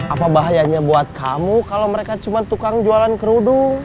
apa bahayanya buat kamu kalau mereka cuma tukang jualan kerudung